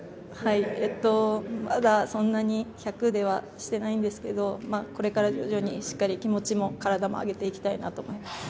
まだそんなに、１００ではしていないんですけどこれから徐々にしっかり気持ちも体も上げていきたいなと思います。